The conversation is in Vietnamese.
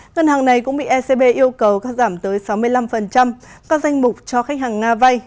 ngân hàng này cũng bị ecb yêu cầu cắt giảm tới sáu mươi năm các danh mục cho khách hàng nga vay